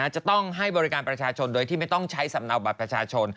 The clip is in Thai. จะต้องให้บริการประชาชนโดยที่ไม่ต้องใช้สำเนาบัตรประชาชน